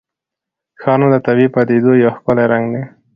ښارونه د طبیعي پدیدو یو ښکلی رنګ دی.